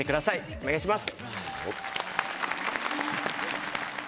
お願いします